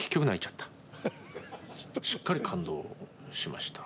しっかり感動しました。